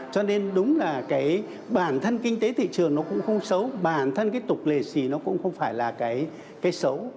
cho nên đúng là cái bản thân kinh tế thị trường nó cũng không xấu bản thân cái tục lệ xì nó cũng không phải là cái xấu